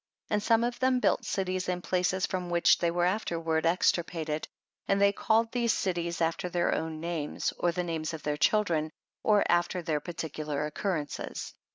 5. And some of them built cities in places from which they were after warc^extirpated, and they called these cities after their own names, or the names of their children, or after their 2)articidcu' occurrences, b".